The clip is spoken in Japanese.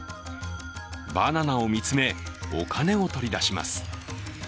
バナナを見つめ、お金を取り出します。